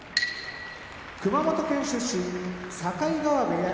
熊本県出身境川部屋